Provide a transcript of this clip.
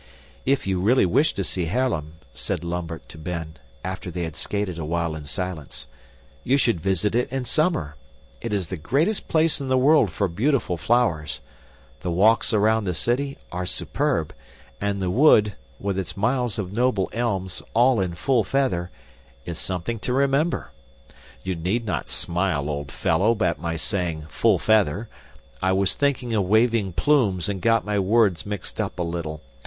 "If you really wish to see Haarlem," said Lambert to Ben, after they had skated awhile in silence, "you should visit it in summer. It is the greatest place in the world for beautiful flowers. The walks around the city are superb; and the 'wood' with its miles of noble elms, all in full feather, is something to remember. You need not smile, old fellow, at my saying 'full feather.' I was thinking of waving plumes and got my words mixed up a little.